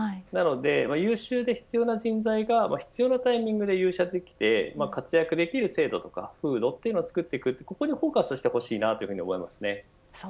優秀で必要な人材が必要なタイミングで入社できて活躍できる制度や風土をつくることにフォーカスしてほしいと思います。